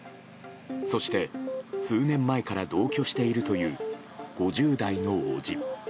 そして、数年前から同居しているという５０代の伯父。